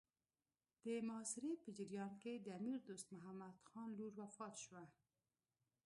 د محاصرې په جریان کې د امیر دوست محمد خان لور وفات شوه.